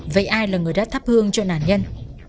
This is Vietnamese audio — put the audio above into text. vậy ai là người đã thắp hương cho nạn nhân